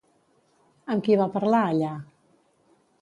Amb qui va parlar, allà?